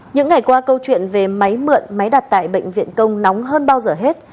những ngày qua câu chuyện về máy mượn máy đặt tại bệnh viện công nóng hơn bao giờ hết